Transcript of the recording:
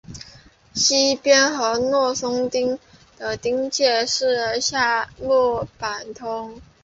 西边与若松町的町界是夏目坂通。